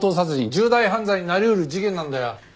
重大犯罪になり得る事件なんだよ。